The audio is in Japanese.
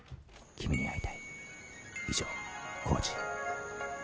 「君に会いたい以上晃次」